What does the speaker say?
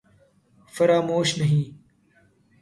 فراموش نہیں